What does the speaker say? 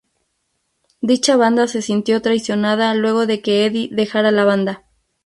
Dicha banda se sintió traicionada luego de que Eddie dejara la banda.